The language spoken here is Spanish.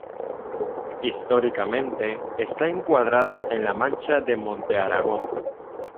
Históricamente, está encuadrada en la Mancha de Montearagón.